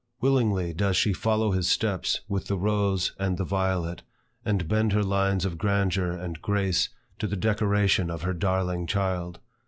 Willingly does she follow his steps with the rose and the violet, and bend her lines of grandeur and grace to the decoration of her darling child.